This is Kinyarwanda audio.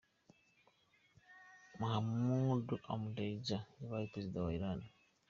Mahmoud Ahmedinejad yabaye perezida wa Iran.